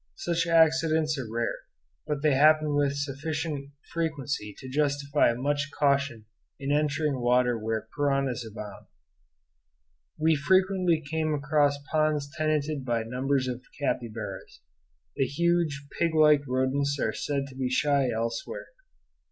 Such accidents are rare; but they happen with sufficient frequency to justify much caution in entering water where piranhas abound. We frequently came across ponds tenanted by numbers of capybaras. The huge, pig like rodents are said to be shy elsewhere.